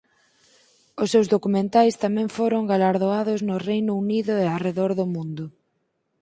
Os seus documentais tamén foron galardoados no Reino Unido e arredor do mundo.